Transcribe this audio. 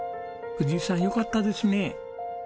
藤井さんよかったですね。